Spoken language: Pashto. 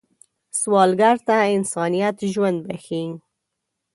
سوالګر ته انسانیت ژوند بښي